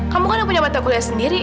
kamu kan punya mata kuliah sendiri